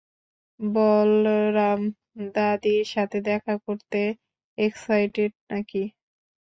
বলরাম, দাদীর সাথে দেখা করতে এক্সাইটেড নাকি?